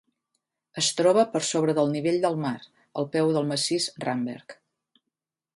Es troba per sobre del nivell del mar, al peu del massís Ramberg.